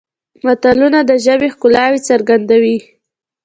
متلونه د ژبې ښکلاوې څرګندوي